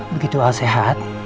begitu alat sehat